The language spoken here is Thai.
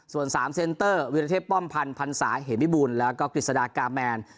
ส่วน๓เซนเตอร์วิรเทพป้อมพันธ์พันศาเหมิบูลแล้วก็กฤษฎากาแมน